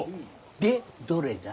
でどれだ？